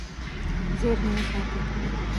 زیرمې وساتي.